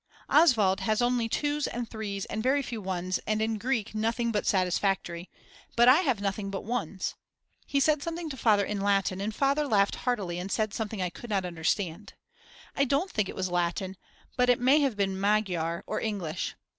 Oswald has only Twos and Threes and very few Ones and in Greek nothing but Satisfactory, but I have nothing but Ones. He said something to Father in Latin and Father laughed heartily and said something I could not understand. I don't think it was Latin, but it may have been Magyar or English.